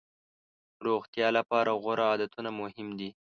روغتیا لپاره غوره عادتونه مهم دي.